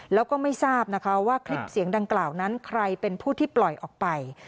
แล้วก็ไม่ทราบนะคะว่าคลิปเสียงดังกล่าวนั้นใครเป็นผู้ที่ปล่อยออกไป